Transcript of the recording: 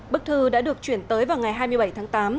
bức thư đã được chuyển tới vào ngày hai mươi bảy tháng tám